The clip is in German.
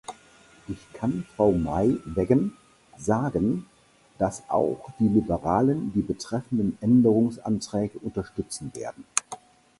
Ich kann Frau Maij-Weggen sagen, dass auch die Liberalen die betreffenden Änderungsanträge unterstützen werden.